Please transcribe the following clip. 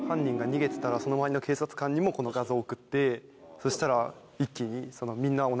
そしたら。